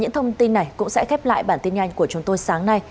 thông tin này cũng sẽ kép lại bản tin nhanh của chúng tôi sáng nay